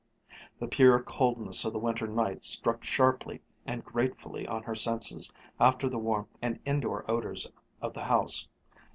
The pure coldness of the winter night struck sharply and gratefully on her senses after the warmth and indoor odors of the house.